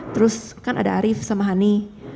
terus kan ada arief sama hani